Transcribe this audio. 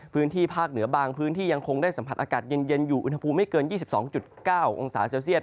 พื้นที่ภาคเหนือบางพื้นที่ยังคงได้สัมผัสอากาศเย็นอยู่อุณหภูมิไม่เกิน๒๒๙องศาเซลเซียต